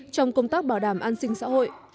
trong công tác bảo đảm an sinh xã hội